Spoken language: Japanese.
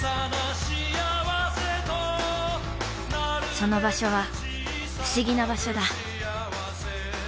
その場所は不思議な場所だ。